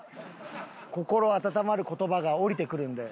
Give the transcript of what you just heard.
心温まる言葉が降りてくるんで。